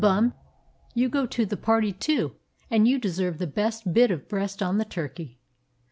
Bum, you go to the party too, and you deserve the best bit of breast on the turkey."